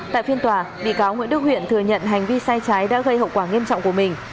tại phiên tòa bị cáo nguyễn đức huyện thừa nhận hành vi sai trái đã gây hậu quả nghiêm trọng của mình